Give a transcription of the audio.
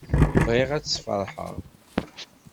Bɣiɣ ad tt-sfeṛḥeɣ.